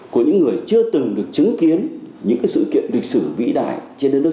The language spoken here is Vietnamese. cảm ơn các bạn đã theo dõi